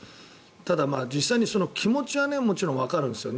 ただ、実際に気持ちはもちろんわかるんですよ。